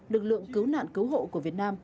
lực lượng cứu nạn cứu hộ của việt nam